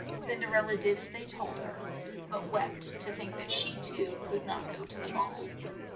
Cin der el la did as they told her, but wept to think that she CINDERELLA 99 too could not go to the ball.